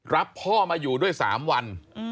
รับพ่อมาอยู่ด้วย๓วัน